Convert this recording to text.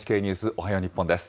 おはよう日本です。